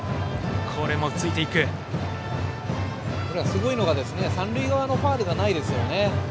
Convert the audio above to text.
すごいのが三塁側のファウルがないですよね。